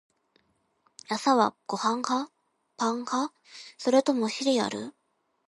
朝はご飯派？パン派？それともシリアル？